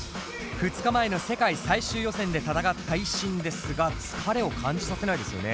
２日前の世界最終予選で戦ったＩＳＳＩＮですが疲れを感じさせないですよね。